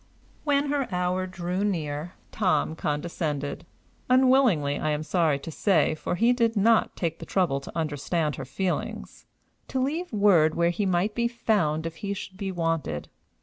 When her hour drew near, Tom condescended unwillingly, I am sorry to say, for he did not take the trouble to understand her feelings to leave word where he might be found if he should be wanted.